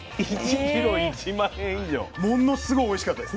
ものすごいおいしかったです。